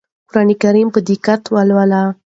قرآن په دقت ولولئ.